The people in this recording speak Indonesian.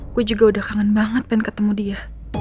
gue juga udah kangen banget pengen ketemu dia